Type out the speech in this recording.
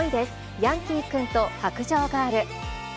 ヤンキー君と白杖ガール。